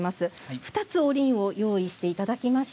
２つ用意していただきました。